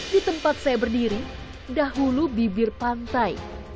di tempat saya berdiri dahulu bibir pantai